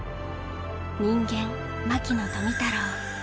人間牧野富太郎。